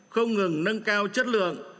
không ngừng nâng cao chất lượng